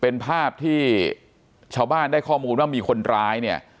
เป็นภาพที่ชาวบ้านได้ข้อมูลว่ามีคนร้ายเนี่ย